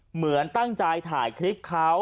เหมือนตั้งใจถ่ายคลิปเขา